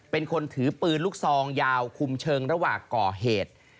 เป็นคนถือปืนลูกซองยาวคุมเชิงระหว่างก่อเหตุ